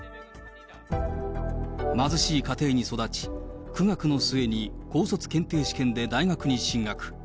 貧しい家庭に育ち、苦学の末に高卒検定試験で大学に進学。